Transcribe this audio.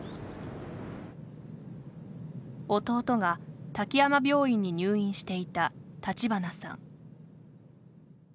弟が滝山病院に入院していた立花さん。